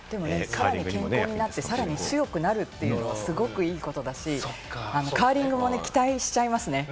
健康になって強くなるって、すごくいいことだし、カーリングも期待しちゃいますね。